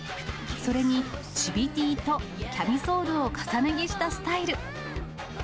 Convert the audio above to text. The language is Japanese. それに、ちびＴとキャミソールを重ね着したスタイル。